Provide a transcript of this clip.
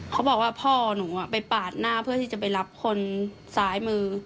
เขาบอกว่าพ่อหนูไปปาดหน้าเพื่อที่จะไปรับคนซ้ายมือ